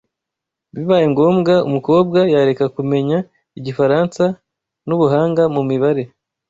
Bibaye ngombwa, umukobwa yareka kumenya Igifaransa n’ubuhanga mu mibare